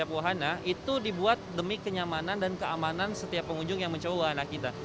setiap wahana itu dibuat demi kenyamanan dan keamanan setiap pengunjung yang mencoba wahana kita